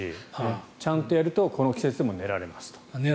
ちゃんとやるとこの季節も寝られますと。